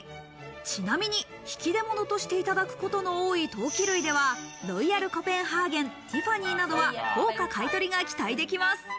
ちなみに引出物としていただくことの多い陶器類では、ロイヤルコペンハーゲン、ティファニーなどは高価買取が期待できます。